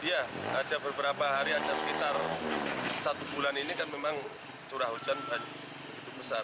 iya ada beberapa hari ada sekitar satu bulan ini kan memang curah hujan besar